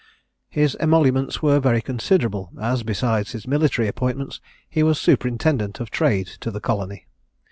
His emoluments were very considerable, as, besides his military appointments, he was superintendant of trade to the colony.